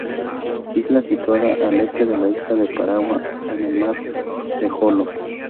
Isla situada al este de isla de La Paragua en el Mar de Joló.